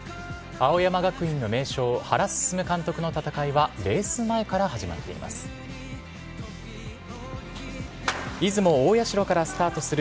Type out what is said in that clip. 青山学院の名将、原晋監督の戦いはレース前から始まっています。